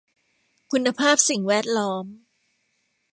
คุณภาพสิ่งแวดล้อม